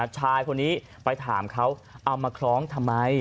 ชายคนนี้ไปถามเขาเอามาคล้องทำไม